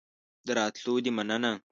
د راتلو دي مننه